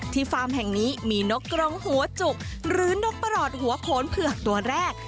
ฟาร์มแห่งนี้มีนกกรงหัวจุกหรือนกประหลอดหัวโขนเผือกตัวแรก